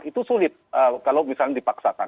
itu sulit kalau misalnya dipaksakan